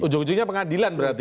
ujung ujungnya pengadilan berarti